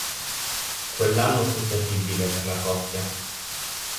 Quell'anno fu terribile per la coppia.